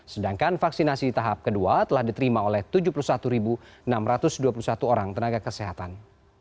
sedangkan vaksinasi tahap kedua telah diterima oleh tujuh puluh satu enam ratus dua puluh satu orang tenaga kesehatan